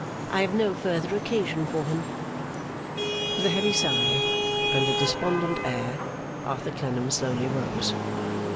I have no further occasion for him.' With a heavy sigh and a despondent air, Arthur Clennam slowly rose.